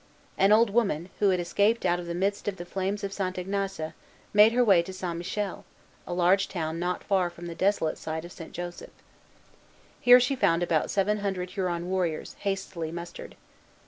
An old woman, who had escaped out of the midst of the flames of St. Ignace, made her way to St. Michel, a large town not far from the desolate site of St. Joseph. Here she found about seven hundred Huron warriors, hastily mustered.